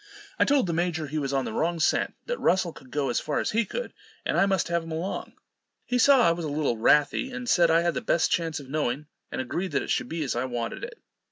I told the major he was on the wrong scent; that Russell could go as far as he could, and I must have him along. He saw I was a little wrathy, and said I had the best chance of knowing, and agreed that it should be as I wanted it.